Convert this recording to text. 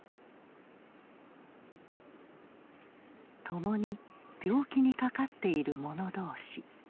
共に病気にかかっている者同士。